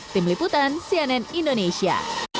tim liputan cnn indonesia